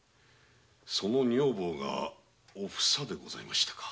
その女房がお房でございましたか。